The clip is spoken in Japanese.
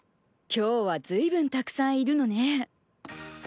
今日は随分たくさんいるのね。